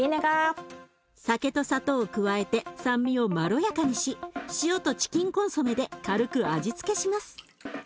酒と砂糖を加えて酸味をまろやかにし塩とチキンコンソメで軽く味付けします。